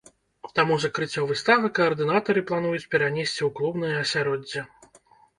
Таму закрыццё выставы каардынатары плануюць перанесці ў клубнае асяроддзе.